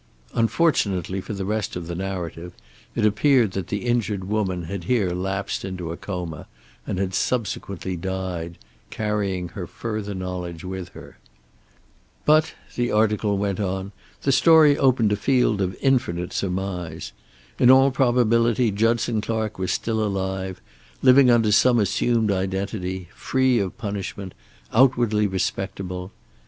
Unfortunately for the rest of the narrative it appeared that the injured woman had here lapsed into a coma, and had subsequently died, carrying her further knowledge with her. But, the article went on, the story opened a field of infinite surmise. In all probability Judson Clark was still alive, living under some assumed identity, free of punishment, outwardly respectable.